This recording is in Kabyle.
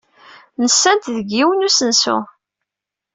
Nsant deg yiwen n usensu.